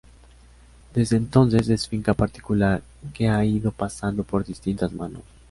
Deste entonces es finca particular que ha ido pasando por distintas manos.